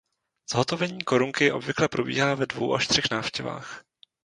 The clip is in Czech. Zhotovení korunky obvykle probíhá ve dvou až třech návštěvách.